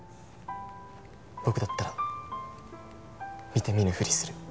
僕だったら見て見ぬふりする絶対。